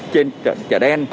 trên chợ đen